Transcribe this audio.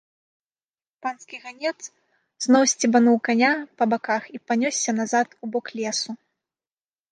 Панскі ганец зноў сцебануў каня па баках і панёсся назад у бок лесу.